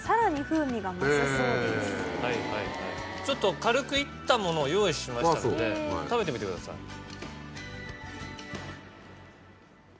ちょっと軽くいったものを用意しましたので食べてみてください。